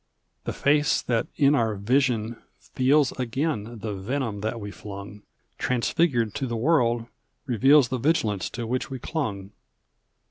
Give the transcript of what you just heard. The face that in our vision feels Again the venom that we flung, Transfigured to the world reveals The vigilance to which we clung.